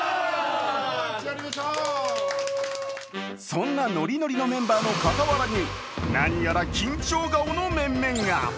そんなノリノリのメンバーのかたわらに、何やら緊張顔の面々が。